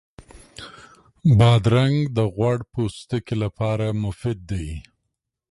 بادرنګ د غوړ پوستکي لپاره مفید دی.